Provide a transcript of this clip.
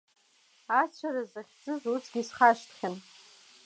Ацәара захьӡыз, усгьы исхашҭхьан.